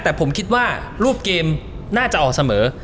แต่ผมคิดว่ารูปเกมน่าจะออกเสมอ